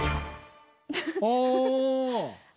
ああ。